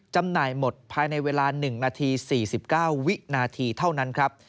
จำหน่ายหมดภายในเวลา๑นาที๔๙วินาทีเท่านั้นครับ